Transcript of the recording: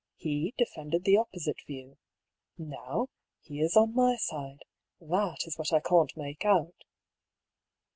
He defended the opposite view. Now, he is on my side. That is what I can't make out."